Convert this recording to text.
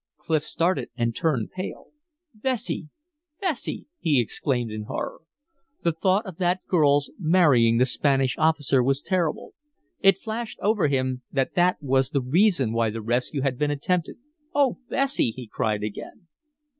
Clif started and turned pale. "Bessie!" he exclaimed in horror. The thought of that girl's marrying the Spanish officer was terrible. It flashed over him that that was the reason why the rescue had been attempted. "Oh, Bessie!" he cried again.